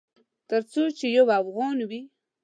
ترڅو چې یو افغان وي